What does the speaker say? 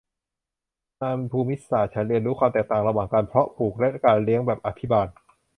ในภูมิศาสตร์ฉันเรียนรู้ความแตกต่างระหว่างการเพาะปลูกและการเลี้ยงแบบอภิบาล